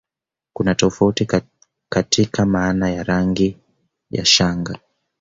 Kuna tofauti katika maana ya rangi ya shanga